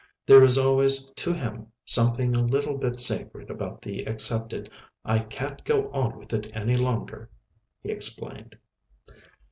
There is always, to him, something a little bit sacred about the accepted. "I can't go on with it any longer," he explained.